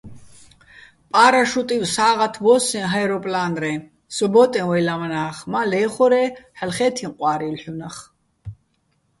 პა́რაშუტივ სა́ღათ ბო́სსეჼ ჰე́როპლა́ნრეჼ, სო ბო́ტეჼ ვაჲ ლამნა́ხ, მა, ლე́ხორე́, ჰ̦ალო̆ ხე́თიჼ ყვა́რილ ჰ̦უნახ.